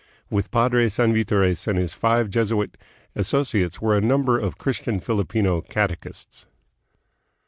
With Padre Sanvftores and his five Jesuit associates were a number of Christian Filipino catechists.